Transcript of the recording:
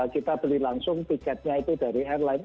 kita beli langsung tiketnya itu dari airline